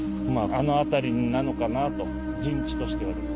あの辺りなのかなと陣地としてはですね。